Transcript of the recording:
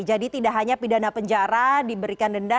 jadi tidak hanya pidana penjara diberikan denda